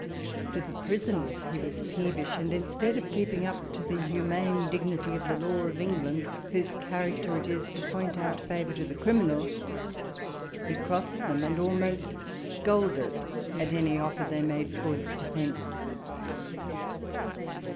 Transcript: To the prisoners he was peev ish ; and instead of keeping up to the humane dignity of the law of England, whose character it is to point out favour to the criminal, he crossed them, and almost scolded at any oil'er they made towards defence.